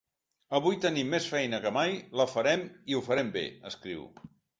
Avui tenim més feina que mai, la farem i ho farem bé, escriu.